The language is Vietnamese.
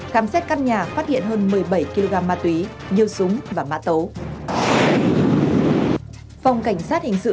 khám xét căn nhà phát hiện hơn một mươi bảy kg ma túy nhiều súng và mã tấu